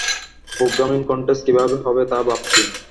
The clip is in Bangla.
প্রোগ্রামিং কন্টেস্ট কীভাবে হবে তাই ভাবছি।